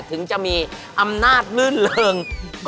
ถึงจะมีอำนาจลื่นเริง